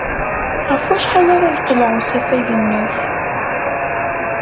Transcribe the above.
Ɣef wacḥal ara yeqleɛ usafag-nnek?